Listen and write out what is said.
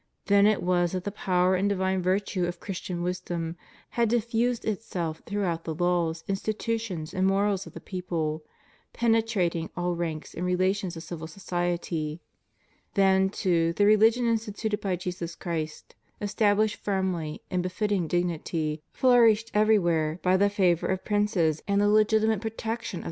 Then it was that the power and divine virtue of Christian wisdom had diffused itself throughout the laws, institutions, and morals of the people; permeating all ranks and relations of civil society. Then, too, the rehgion instituted by Jesus Christ, estab lished firmly in befitting dignity, flourished everywhere, by the favor of princes and the legitimate protection of • De moribus Eccl. Cathol., xxx.